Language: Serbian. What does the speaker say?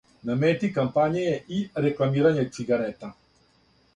На мети кампање је и рекламирање цигарета.